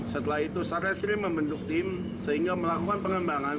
setelah itu sarreskrim membentuk tim sehingga melakukan pengembangan